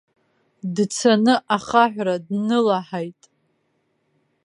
Дцаны ахаҳәра днылаҳаит.